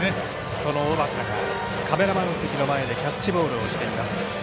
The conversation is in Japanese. その小畠がカメラマン席の前でキャッチボールをしています。